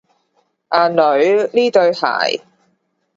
阿女，呢對鞋